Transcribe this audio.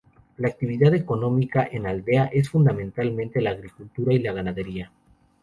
La actividad económica en aldea es fundamentalmente la agricultura y la ganadería.